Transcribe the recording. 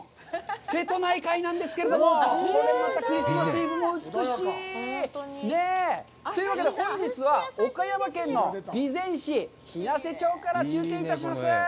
瀬戸内海なんですけれども、クリスマスイブも美しい！というわけで、本日は岡山県の備前市日生町から中継いたします。